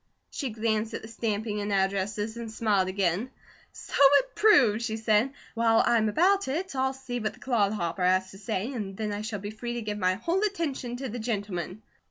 '" She glanced at the stamping and addresses and smiled again: "So it proves," she said. "While I'm about it, I'll see what the 'clod hopper' has to say, and then I shall be free to give my whole attention to the 'gentleman.'"